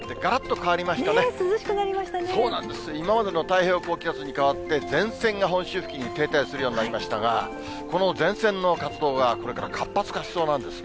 今までの太平洋高気圧に代わって、前線が本州付近に停滞するようになりましたが、この前線の活動がこれから活発化しそうなんですね。